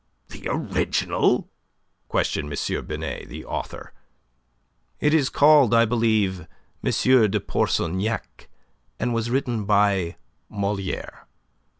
"The original?" questioned M. Binet the author. "It is called, I believe, 'Monsieur de Pourceaugnac,' and was written by Moliere."